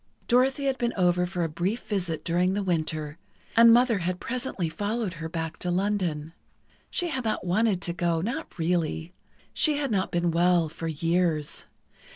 Dorothy had been over for a brief visit during the Winter, and Mother had presently followed her back to London. She had not wanted to go—not really. She had not been well for years.